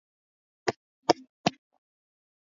Usiwe na wageni isipokuwa iwe inabidi wawe nyumbani kwako